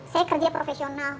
saya kerja profesional